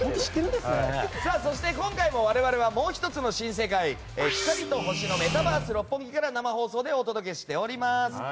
そして、今回も我々はもう１つの新世界光と星のメタバース六本木から生放送でお届けしております。